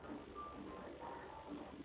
apakah memang posisinya seperti itu